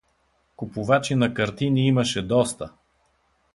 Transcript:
Купувачи на картини имаше доста.